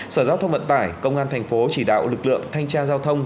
sở giao thông vận tải công an thành phố chỉ đạo lực lượng thanh tra giao thông